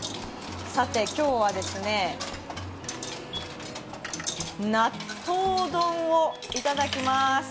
さて今日はですね、納豆丼をいただきまーす。